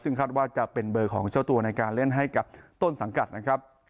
ซึ่งคาดว่าจะเป็นเบอร์ของเจ้าตัวในการเล่นให้กับต้นสังกัดนะครับ